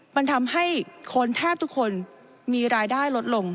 มันทำให้คนแทบทุกคนมีรายได้ลดลง